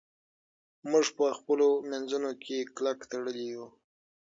موږ په خپلو منځونو کې کلک تړلي یو.